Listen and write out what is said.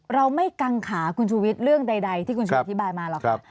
เราไม่กังขาคุณชูวิทย์เรื่องใดที่คุณชูอธิบายมาหรอกค่ะ